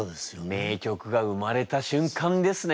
名曲が生まれた瞬間ですね